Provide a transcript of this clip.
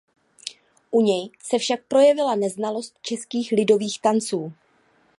U něj se však projevila neznalost českých lidových tanců.